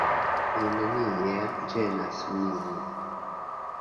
Vi neniel ĝenas min.